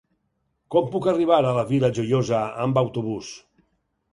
Com puc arribar a la Vila Joiosa amb autobús?